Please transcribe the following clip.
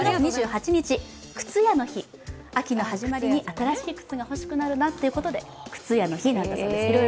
９月２８日、靴屋の日秋の始まりに新しい靴が欲しくなるなということで靴屋の日なんだそうです。